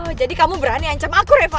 oh jadi kamu berani ancaman aku reva